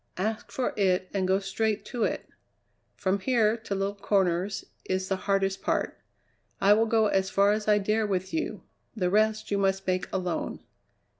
Ask for it and go straight to it. From here to Little Corners is the hardest part. I will go as far as I dare with you; the rest you must make alone.